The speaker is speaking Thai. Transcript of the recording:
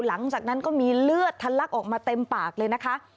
หลังจากนั้นก็มีเลือดทะลักออกมาเต็มปากเลยนะคะ